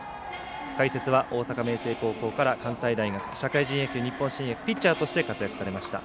解説は大阪明星高校から関西大学社会人野球、日本新薬でピッチャーとして活躍されました